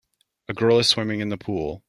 The girl is swimming in the pool.